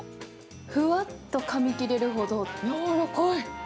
ふわっとかみ切れるほど、柔らかい！